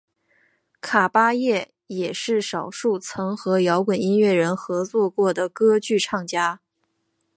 卡芭叶也是少数曾和摇滚音乐人合作过的歌剧唱家。